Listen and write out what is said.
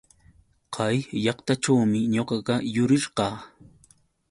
Kay llaqtaćhuumi ñuqaqa yurirqaa.